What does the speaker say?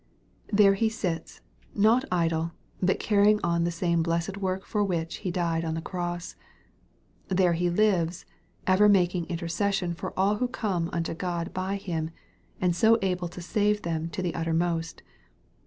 There He sits, not idle, but carrying on the same blessed work for which He died on the cross. There He lives, ever making inter cession for all who come unto God by Him, and so able to save them to the uttermost.